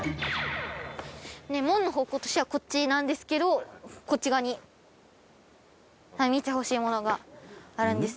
門の方向としてはこっちなんですけどこっち側に見てほしいものがあるんですね。